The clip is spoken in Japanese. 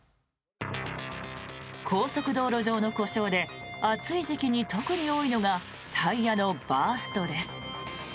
高速道路上の故障で暑い時期に特に多いのがタイヤのバーストです。